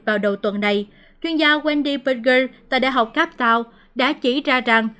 vào đầu tuần này chuyên gia wendy berger tại đại học captao đã chỉ ra rằng